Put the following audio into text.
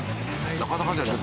なかなかじゃない？